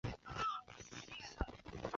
山棕为棕榈科桄榔属下的一个种。